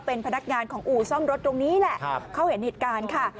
เป็นพนักงานของอู่ซ่อมรถตรงนี้แหละเขาเห็นเหตุการณ์ค่ะ